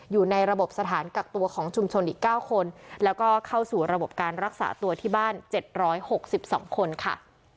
อยู่ในระบบสถานกักตัวของชุมชนอีกเก้าคนแล้วก็เข้าสู่ระบบการรักษาตัวที่บ้านเจ็ดร้อยหกสิบสองคนค่ะ